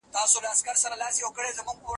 زه شاید په راتلونکي کي یو شرکت خلاص کړم.